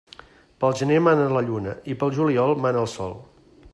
Pel gener mana la lluna i pel juliol mana el sol.